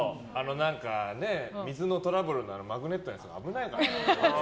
水のトラブルのマグネットのやつ危ないからね。